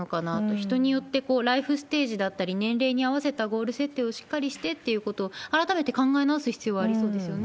人によってライフステージだったり、年齢に合わせたゴール設定をしっかりしてということを、改めて考え直す必要はありそうですよね。